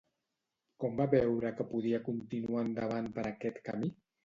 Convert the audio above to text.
Com va veure que podia continuar endavant per aquest camí?